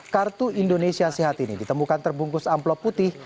kartu indonesia sehat ini ditemukan terbungkus amplop putih